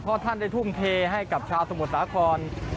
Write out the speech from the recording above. เพราะท่านได้ทุ่มเทให้กับชาวสมุทรสาคร